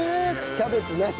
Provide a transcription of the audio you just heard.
キャベツなし？